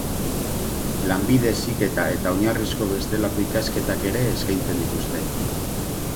Lanbide Heziketa eta oinarrizko bestelako ikasketak ere eskaintzen dituzte.